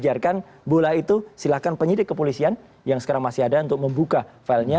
jadi kan bola itu silahkan penyidik kepolisian yang sekarang masih ada untuk membuka filenya